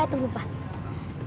eh tunggu pak